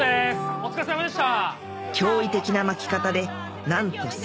お疲れさまでした。